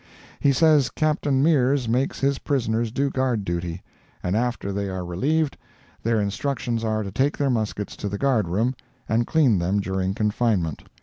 He says Captain Mears makes his prisoners do guard duty, and after they are relieved, their instructions are to take their muskets to the guard room and clean them during confinement.